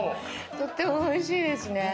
とってもおいしいですね。